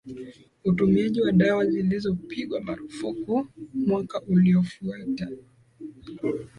Utumiaji wa dawa zilizopigwa marufuku mwaka uliofuata